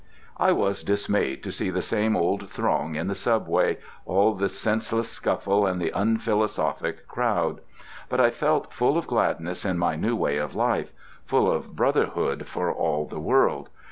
I was dismayed to see the same old throng in the subway, all the senseless scuffle and the unphilosophic crowd. But I felt full of gladness in my new way of life, full of brotherhood for all the world.